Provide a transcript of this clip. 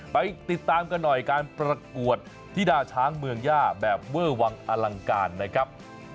ไปติดตามกันหน่อยการประกวดธิดาช้างเมืองย่าแบบเวอร์วังอลังการนะครับ